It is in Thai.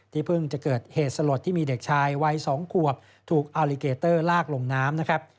เพิ่งจะเกิดเหตุสลดที่มีเด็กชายวัย๒ขวบถูกอัลลิเกเตอร์ลากลงน้ำนะครับ